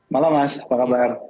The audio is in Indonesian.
malam mas apa kabar